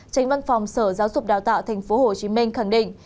tránh văn phòng sở giáo dục đào tạo thành phố hồ chí minh khẳng định